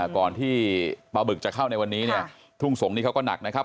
ก่อนที่ปลาบึกจะเข้าในวันนี้เนี่ยทุ่งสงศนี้เขาก็หนักนะครับ